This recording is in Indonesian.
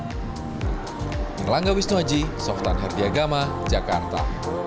innalangga wisnuhaji softan hardiagama jakarta